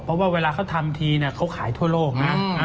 เพราะว่าเวลาเขาทำทีเขาขายทั่วโลกนะ